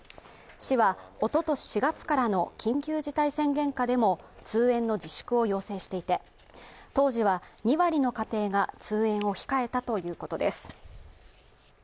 市はおととし４月からの緊急事態宣言下でも通園の自粛を要請していて当時は２割の家庭が通園を控えたということです。